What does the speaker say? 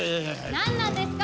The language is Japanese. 何なんですか？